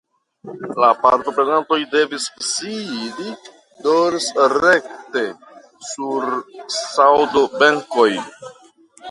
La partoprenantoj devis sidi dorsrekte sur saŭnobenkoj.